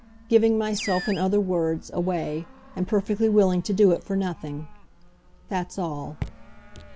Giving myself, in other words, away and perfectly willing to do it for nothing. That's all."